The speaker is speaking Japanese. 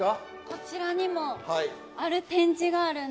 こちらにもある展示があるんですけど。